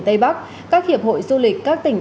tây bắc các hiệp hội du lịch các tỉnh